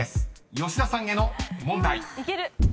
［吉田さんへの問題］